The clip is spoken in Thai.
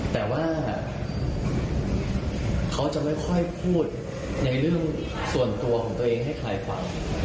แต่ว่าเขาจะไม่ค่อยพูดในเรื่องส่วนตัวของตัวเองให้ใครฟัง